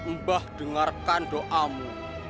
mbah dengarkan doamu